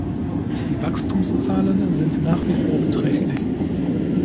Die Wachstumszahlen sind nach wie vor beträchtlich.